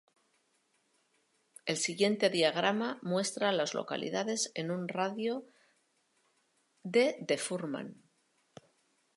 El siguiente diagrama muestra a las localidades en un radio de de Furman.